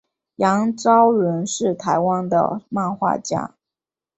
杨邵伦是台湾的漫画家。